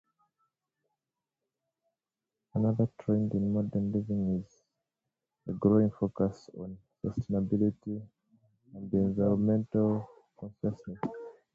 Another trend in modern living is the growing focus on sustainability and environmental consciousness.